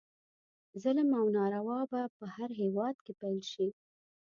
ظلم او ناروا به په هر هیواد کې پیل شي.